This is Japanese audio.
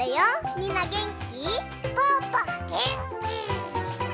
みんなげんき？